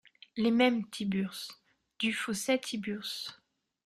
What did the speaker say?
Les Mêmes, Tiburce, Dufausset Tiburce .